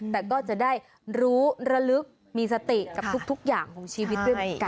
แต่ก็จะได้รู้ระลึกมีสติกับทุกอย่างของชีวิตด้วยเหมือนกัน